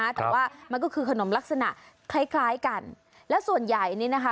แต่ว่ามันก็คือขนมลักษณะคล้ายคล้ายกันและส่วนใหญ่นี่นะคะ